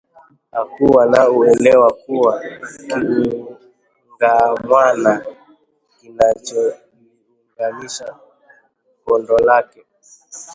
Hakuwa na uelewa kuwa kiungamwana kinacholiunganisha kondo lake